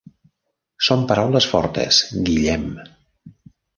Són paraules fortes, Guillem.